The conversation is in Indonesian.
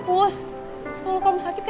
boleh bisa tadi saya kupu